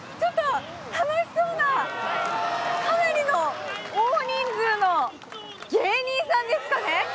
楽しそうなかなりの大人数の、芸人さんですかね。